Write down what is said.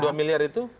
yang dua miliar itu